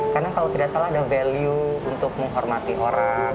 karena kalau tidak salah ada value untuk menghormati orang